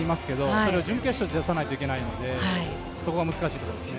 それを準決勝で出さないといけないので、そこが難しいところですね。